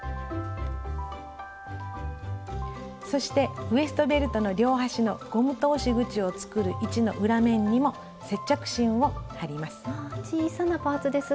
そしてウエストベルトの両端のゴム通し口を作る位置の裏面にも接着芯を貼ります。